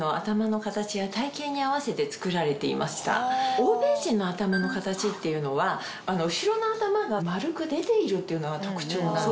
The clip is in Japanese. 欧米人の頭の形っていうのは後ろの頭が丸く出ているっていうのが特徴なんです。